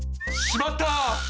しまった！